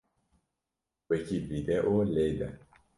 Wekî vîdeo lêde.